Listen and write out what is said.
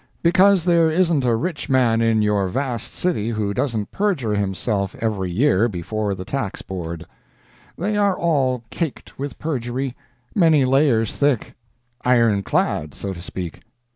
Because there isn't a rich man in your vast city who doesn't perjure himself every year before the tax board. They are all caked with perjury, many layers thick. Iron clad, so to speak.